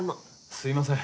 すみません。